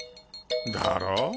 だろ？